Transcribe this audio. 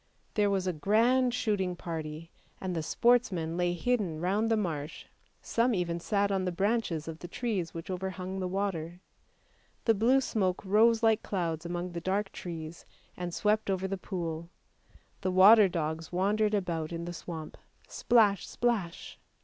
There was a grand shooting party, and the sportsmen lay hidden round the marsh, some even sat on the branches of the trees which overhung the water; the blue smoke rose like clouds among the dark trees and swept over the pool. The water dogs wandered about in the swamp, splash! splash!